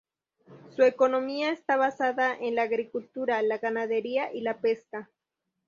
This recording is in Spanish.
Su economía está basada en la agricultura, la ganadería y la pesca.